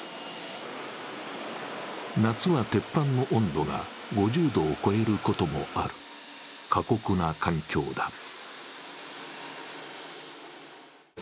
夏は鉄板の温度が５０度を超えることもある過酷な環境だ。